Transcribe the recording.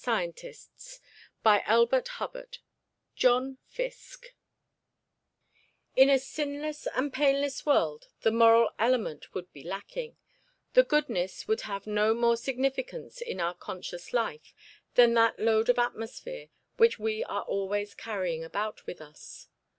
[Illustration: JOHN FISKE] JOHN FISKE In a sinless and painless world the moral element would be lacking; the goodness would have no more significance in our conscious life than that load of atmosphere which we are always carrying about with us.